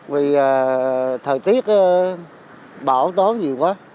vì thời tiết bão tối nhiều quá